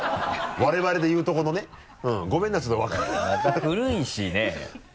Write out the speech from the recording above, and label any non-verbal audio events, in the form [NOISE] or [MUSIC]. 我々で言うとこのねごめんなちょっと [LAUGHS] また古いしね。